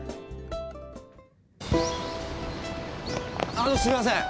あのすいません。